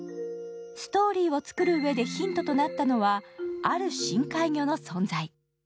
ストーリーを作るうえでヒントとなったのは、ある深海魚の存在。